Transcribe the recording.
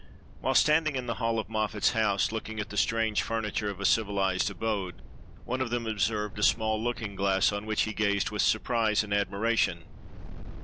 While standing in the hall of Moffat's house, looking at the strange furniture of a civilized abode, one of them observed a small looking glass, on which he gazed with surprise and admiration.